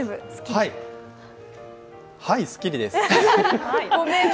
はい、すっきりです。